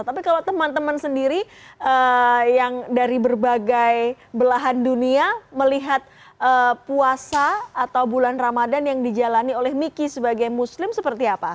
tapi kalau teman teman sendiri yang dari berbagai belahan dunia melihat puasa atau bulan ramadan yang dijalani oleh miki sebagai muslim seperti apa